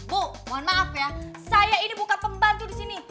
bu mohon maaf ya saya ini bukan pembantu disini